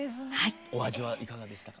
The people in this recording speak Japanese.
お味はいかがでしたか？